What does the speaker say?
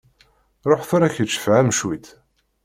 Ruḥ tura kečč fhem cwiṭ…